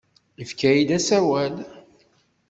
Yefka-iyi-d asawal.